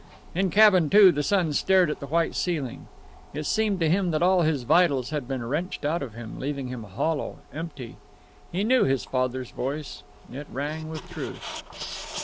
In Cabin Two the son stared at the white ceiling. It seemed to him that all his vitals had been wrenched out of him, leaving him hollow, empty. He knew his father's voice; it rang with truth.